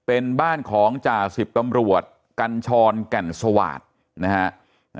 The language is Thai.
เป็นบ้านของจ่าสิบตำรวจกัญชรแก่นสวาสตร์นะฮะ